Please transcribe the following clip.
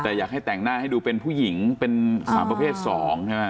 แต่อยากให้แต่งหน้าให้ดูเป็นผู้หญิงเป็นสาวประเภท๒ใช่ไหม